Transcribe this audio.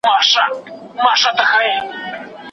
که لارښود پوهه ونه لري شاګرد به سم کار ونه کړي.